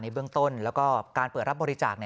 เบื้องต้นแล้วก็การเปิดรับบริจาค